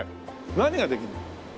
何ができるの？